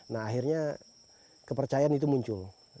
nah akhirnya kepercayaan itu muncul